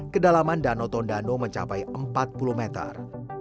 seribu sembilan ratus tiga puluh empat kedalaman danau tondano mencapai empat puluh meter